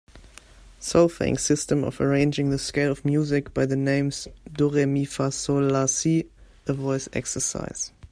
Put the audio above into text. Solfaing system of arranging the scale of music by the names do, re, mi, fa, sol, la, si a voice exercise.